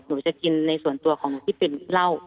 หนูจะกินในส่วนตัวของหนูที่เป็นเหล้า